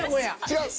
違う！